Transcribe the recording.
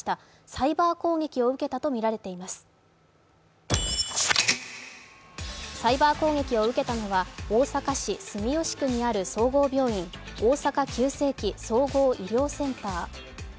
サイバー攻撃を受けたのは大阪市住吉区にある総合病院、大阪急性期・総合医療センター。